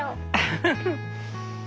フフフ。